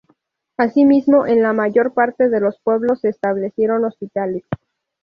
Asimismo, en la mayor parte de los pueblos se establecieron hospitales.